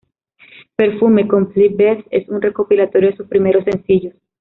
Perfume ~Complete Best~ es un recopilatorio de sus primeros sencillos.